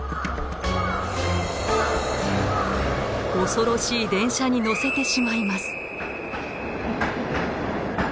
恐ろしい電車に乗せてしまいます。